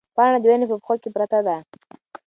پاڼه د ونې په پښو کې پرته ده.